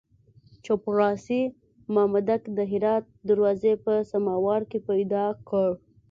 چپړاسي مامدک د هرات دروازې په سماوار کې پیدا کړ.